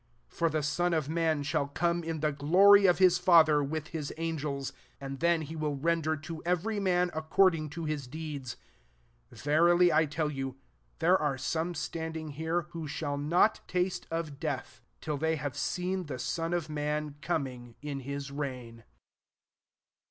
27 For the Son of man shall come, in the glory of his Father, with his angels; and then he will render to every man according to his deeds. 28 Verily I tell you, There are some standing here, who shall not taste of death, till they have seen the Son of man coming in his reign."